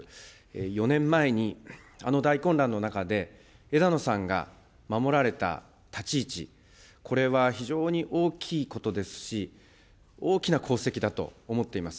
４年前に、あの大混乱の中で、枝野さんが守られた立ち位置、これは非常に大きいことですし、大きな功績だと思っています。